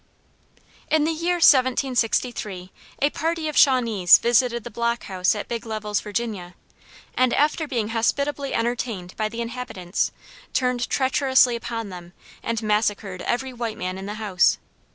[Footnote: DeHass.] In the year 1763 a party of Shawnees visited the Block House at Big Levels, Virginia, and after being hospitably entertained by the inhabitants, turned treacherously upon them and massacred every white man in the house.